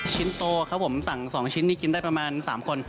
ชิ้นโตครับผมสั่ง๒ชิ้นนี้กินได้ประมาณ๓คน